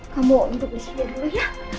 kamu duduk disini dulu ya